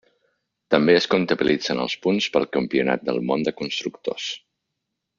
També es comptabilitzen els punts pel Campionat del món de constructors.